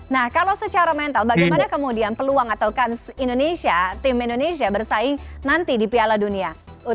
nah kalau secara mental bagaimana kemudian peluang atau kans indonesia tim indonesia bersaing nanti di piala dunia u dua puluh